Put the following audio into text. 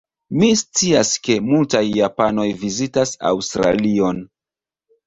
Mi scias ke multaj japanoj vizitas Aŭstralion.